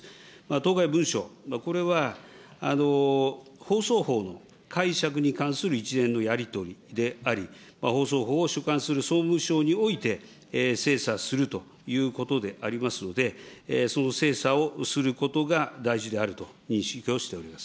当該文書、これは放送法の解釈に関する一連のやり取りであり、放送法を所管する総務省において精査するということでありますので、その精査をすることが大事であると認識をしております。